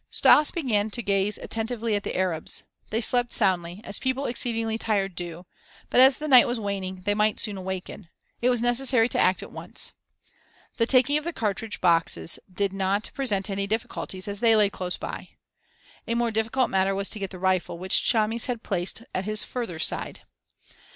Stas began to gaze attentively at the Arabs. They slept soundly, as people exceedingly tired do, but as the night was waning, they might soon awaken. It was necessary to act at once. The taking of the cartridge boxes did not present any difficulties as they lay close by. A more difficult matter was to get the rifle, which Chamis had placed at his further side.